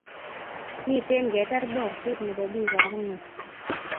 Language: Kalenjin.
Mamiten ketar borset nebo biikab ingweny.